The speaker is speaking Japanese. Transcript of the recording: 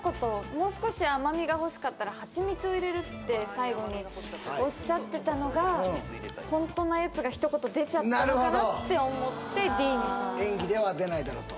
もう少し甘みが欲しかったらハチミツを入れるって最後におっしゃってたのがホントのやつが一言出ちゃったのかなって思ってＤにしました演技では出ないだろうと？